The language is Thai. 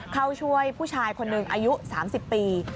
เข้าช่วยผู้ชายคนหนึ่งอายุ๓๐ปี